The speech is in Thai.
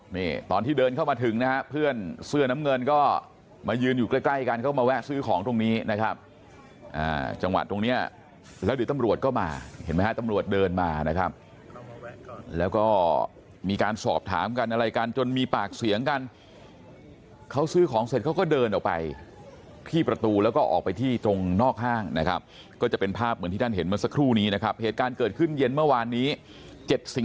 นี่ตอนที่เดินเข้ามาถึงนะฮะเพื่อนเสื้อน้ำเงินก็มายืนอยู่ใกล้กันเข้ามาแวะซื้อของตรงนี้นะครับจังหวัดตรงเนี่ยแล้วเดี๋ยวตำรวจก็มาเห็นมั้ยฮะตำรวจเดินมานะครับแล้วก็มีการสอบถามกันอะไรกันจนมีปากเสียงกันเขาซื้อของเสร็จเขาก็เดินออกไปที่ประตูแล้วก็ออกไปที่ตรงนอกห้างนะครับก็จะเป็นภาพเหมือนที่